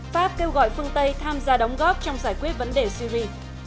pháp kêu gọi phương tây tham gia đóng góp trong giải quyết vấn đề syri